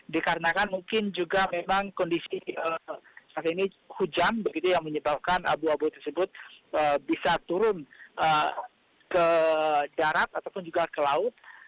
dikarenakan mungkin juga memang kondisi saat ini hujan begitu yang menyebabkan abu abu tersebut bisa turun ke darat ataupun juga ke laut